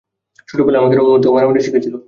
ছোটবেলায় আমাকে রক্ষা করতে, ও মারামারি শিখেছিল।